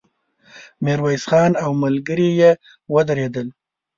ميرويس خان او ملګري يې ودرېدل.